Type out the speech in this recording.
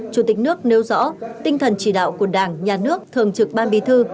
chủ tịch nước nêu rõ tinh thần chỉ đạo của đảng nhà nước thường trực ban bí thư